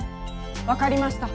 分かりました。